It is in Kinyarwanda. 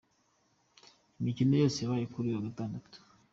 Imikino yose yabaye kuri uyu wa Gatandatu:.